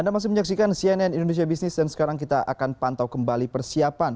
vastik menyaksikan cnn indonesia bisnis dan sekarang kita akan pantau kembali persiapan